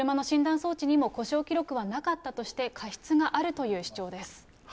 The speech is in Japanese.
装置にも故障記録はなかったとして、過失があるという主張です。